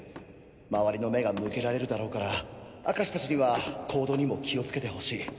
周りの目が向けられるだろうから明石たちには行動にも気をつけてほしい。